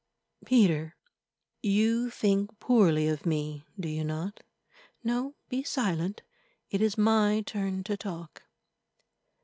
Peter, you think poorly of me, do you not? No—be silent; it is my turn to talk.